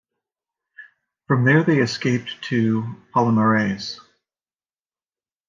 From there they escaped to Palmares.